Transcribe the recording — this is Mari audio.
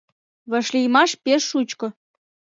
Вашлиймаш пеш шучко...